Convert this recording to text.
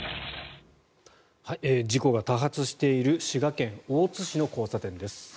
事故が多発している滋賀県大津市の交差点です。